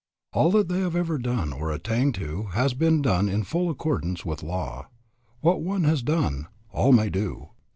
All that they have ever done or attained to has been done in full accordance with law. What one has done, all may do.